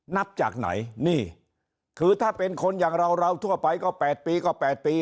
นับจากไหนนี่คือถ้าเป็นคนอย่างเราเราทั่วไปก็๘ปีก็๘ปี